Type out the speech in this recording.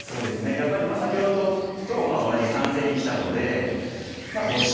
やっぱり先ほどと同じ３線にきたのでボウシをする。